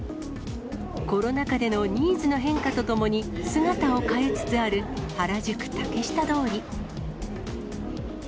コロナ禍でのニーズの変化とともに、姿を変えつつある原宿竹下通り。